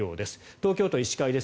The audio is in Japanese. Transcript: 東京都医師会です。